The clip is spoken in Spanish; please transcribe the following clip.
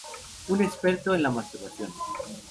Un experto en la masturbación.